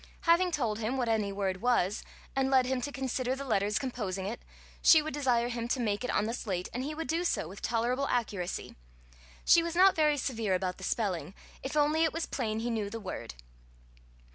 Having told him what any word was, and led him to consider the letters composing it, she would desire him to make it on the slate, and he would do so with tolerable accuracy: she was not very severe about the spelling, if only it was plain he knew the word.